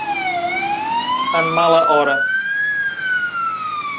En mala hora.